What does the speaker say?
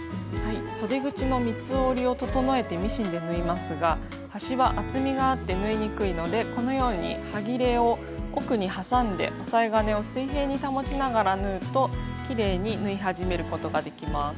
そで口の三つ折りを整えてミシンで縫いますが端は厚みがあって縫いにくいのでこのようにはぎれを奥に挟んで押さえ金を水平に保ちながら縫うときれいに縫い始めることができます。